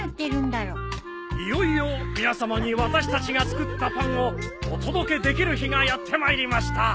いよいよ皆さまに私たちが作ったパンをお届けできる日がやってまいりました。